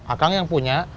ah kang yang punya